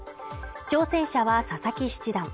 挑戦者は佐々木七段。